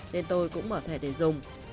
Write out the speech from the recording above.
nên tôi cũng mở thẻ để dùng